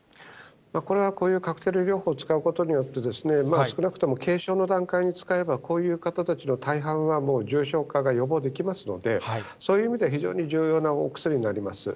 これはこういうカクテル療法を使うことによって、少なくとも軽症の段階に使えば、こういう方たちの大半はもう重症化が予防できますので、そういう意味で非常に重要なお薬になります。